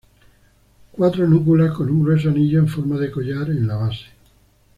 Cuatro núculas con un grueso anillo en forma de collar en la base.